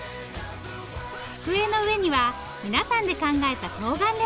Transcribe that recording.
机の上には皆さんで考えたとうがん料理。